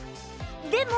でも